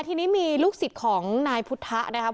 ทีนี้มีลูกศิษย์ของนายพุทธะนะครับ